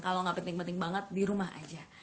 kalau nggak penting penting banget di rumah aja